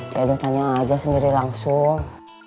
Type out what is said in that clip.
cik edo tanya aja sendiri langsung